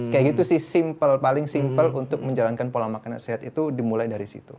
kayak gitu sih simple paling simpel untuk menjalankan pola makan nasihat itu dimulai dari situ